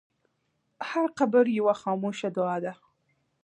هر قبر یوه خاموشه دعا ده.